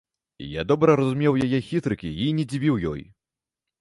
Я добра разумеў яе хітрыкі і не дзівіў ёй.